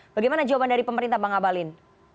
bagaimana jawaban dari pemerintah bang abalin